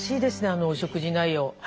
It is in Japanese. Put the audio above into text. あのお食事内容。